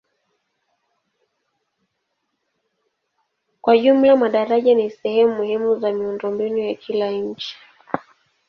Kwa jumla madaraja ni sehemu muhimu za miundombinu ya kila nchi.